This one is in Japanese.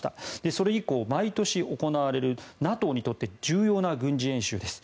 それ以降、毎年行われるＮＡＴＯにとって重要な軍事演習です。